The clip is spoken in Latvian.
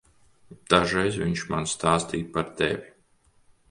Dažreiz viņš man stāstīja par tevi.